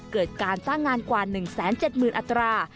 เกิดการจ้างงานกว่า๑๗๐๐อัตรา